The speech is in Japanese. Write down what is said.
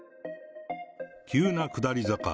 急な下り坂。